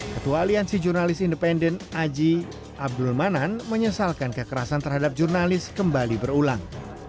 ketua aliansi jurnalis independen aji abdul manan menyesalkan kekerasan terhadap jurnalis kembali berulang